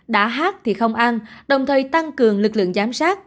đã hát thì không ăn đồng thời tăng cường lực lượng giám sát